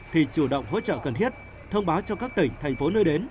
thì chủ động hỗ trợ cần thiết thông báo cho các tỉnh thành phố nơi đến